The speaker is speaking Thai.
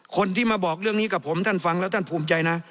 คนที่มาบอกเรื่องนี้กับผมท่านฟังแล้วท่านภูมิใจนะ